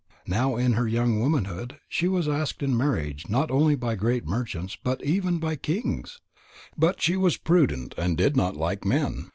Now in her young womanhood she was asked in marriage not only by great merchants, but even by kings. But she was prudent and did not like men.